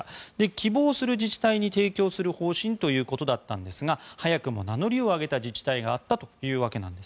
希望する自治体に提供する方針ということだったんですが早くも名乗りを上げた自治体があったということです。